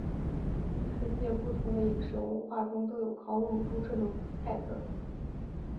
世界不同的饮食文化中都有烧乳猪这种菜色。